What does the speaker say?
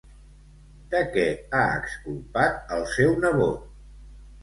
De què ha exculpat al seu nebot?